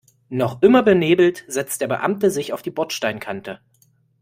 Noch immer benebelt setzt der Beamte sich auf die Bordsteinkante.